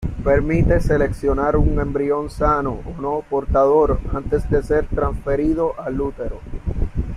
Permite seleccionar un embrión sano o no portador antes de ser transferido al útero.